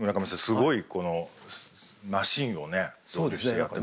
すごいこのマシンをね導入してやってました。